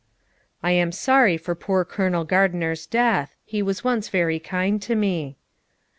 'I am sorry for poor Colonel Gardiner's death; he was once very kind to me.'